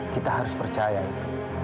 kita harus percaya itu